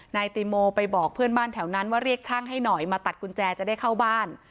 นายติโมไปบอกเพื่อนบ้านแถวนั้นว่าเรียกช่างให้หน่อยมาตัดกุญแจจะได้เข้าบ้าน